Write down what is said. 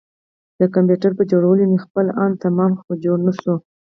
د کمپيوټر پر جوړولو مې خپل ان تمام کړ خو جوړ نه شو.